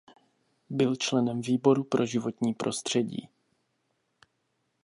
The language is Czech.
Byl členem výboru pro životní prostředí.